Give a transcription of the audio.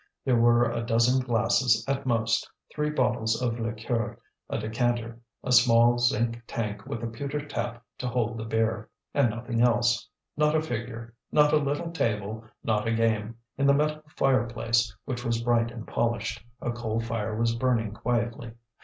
There were a dozen glasses at most, three bottles of liqueur, a decanter, a small zinc tank with a pewter tap to hold the beer; and nothing else not a figure, not a little table, not a game. In the metal fireplace, which was bright and polished, a coal fire was burning quietly.